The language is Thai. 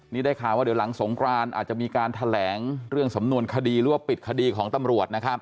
นี่ได้ข่าวว่าเดี๋ยวหลังสงครานอาจจะมีการแถลงเรื่องสำนวนคดีหรือว่าปิดคดีของตำรวจนะครับ